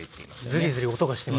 ズリズリ音がしてますね。